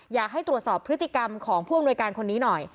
อยากให้ตรวจสอบพฤติกรรมของผู้อำนวยการคนนี้หน่อย